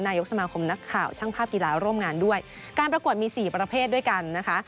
นายกสมาคมนักข่าวช่างภาพกีฬาร่วมงานด้วยการประกวดมีสี่ประเภทด้วยกันนะคะ